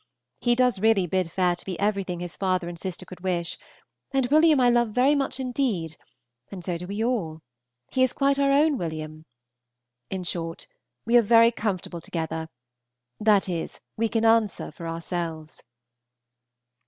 He does really bid fair to be everything his father and sister could wish; and William I love very much indeed, and so we do all; he is quite our own William. In short, we are very comfortable together; that is, we can answer for ourselves.